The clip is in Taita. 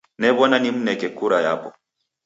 New'ona nimneke kura yapo.